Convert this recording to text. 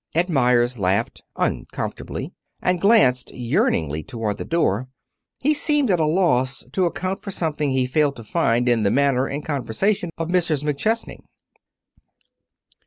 Ed Meyers laughed, uncomfortably, and glanced yearningly toward the door. He seemed at a loss to account for something he failed to find in the manner and conversation of Mrs. McChesney.